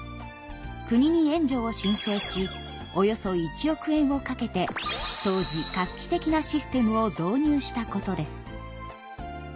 国に援助を申請しおよそ１億円をかけて当時画期的なシステムを導入したことです。